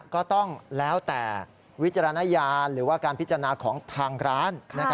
ก็แล้วแต่วิจารณญาณหรือว่าการพิจารณาของทางร้าน